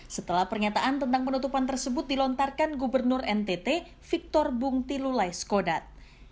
setelah pernyataan tentang penutupan tersebut dilontarkan gubernur ntt victor bung tilulai skodat